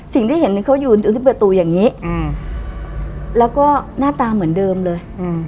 สิ่งที่เห็นเขาอยู่ตรงที่เปิดตัวอย่างงี้อืมแล้วก็หน้าตาเหมือนเดิมเลย